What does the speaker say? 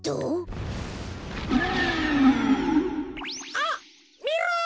あっみろ！